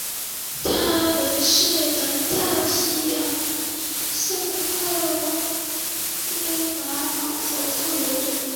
它们是南大西洋圣赫勒拿岛的特有种。